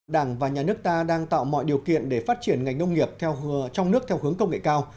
đảng và nhà nước ta đang tạo mọi điều kiện để phát triển ngành nông nghiệp trong nước theo hướng công nghệ cao